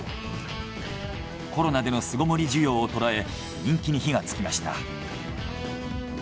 コロナでの巣ごもり需要をとらえ人気に火がつきました。